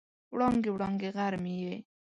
وړانګې، وړانګې غر مې یې